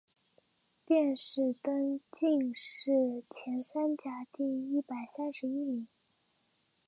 殿试登进士第三甲第一百三十一名。